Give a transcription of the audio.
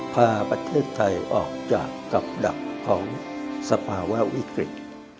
พาประเทศไทยออกจากเกาะดับของศักดิ์ภาวะวิกฤต